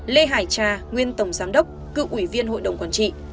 lê hải trà nguyên tổng giám đốc cựu ủy viên hội đồng quản trị